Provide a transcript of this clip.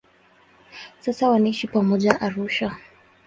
Sasa wanaishi pamoja Arusha.